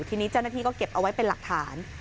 ทีนี้เจ้าหน้าที่ก็เก็บเอาไว้เป็นหลักฐาน